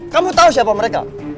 kamu tau siapa mereka